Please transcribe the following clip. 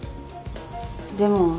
でも。